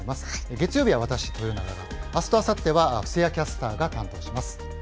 月曜日は私、豊永が、あすとあさっては布施谷キャスターが担当します。